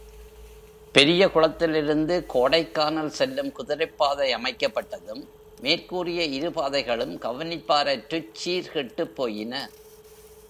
பெரியகுளத்திலிருந்து கோடைக்கானல் செல்லும் குதிரைப் பாதை அமைக்கப்பட்டதும், மேற்கூறிய இரு பாதைகளும் கவனிப்பாரற்றுச் சீர் கெட்டுப் போயின.